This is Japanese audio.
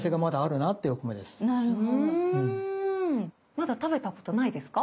まだ食べたことないですか？